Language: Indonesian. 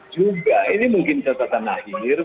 juga ini mungkin catatan akhir